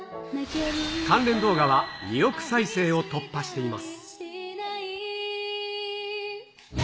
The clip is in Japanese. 関連動画は２億再生を突破しています。